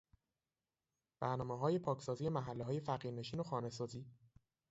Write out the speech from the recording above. برنامههای پاکسازی محلههای فقیر نشین و خانه سازی